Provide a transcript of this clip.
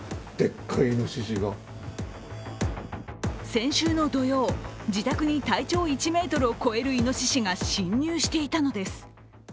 先週の土曜、自宅に体長１ｍを超えるいのししが侵入していたのです。